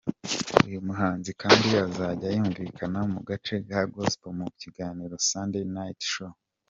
Uyu muhanzi kandi azajya yumvikana mu gace ka gospel mu kiganiro Sunday night show.